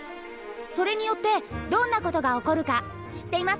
それによってどんなことが起こるか知っていますか？